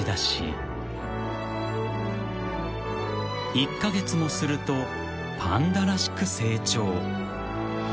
［１カ月もするとパンダらしく成長］